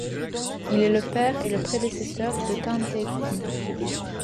Il est le père et le prédécesseur de Tan Te' K'inch.